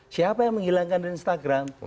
siapa yang menghilangkan di instagram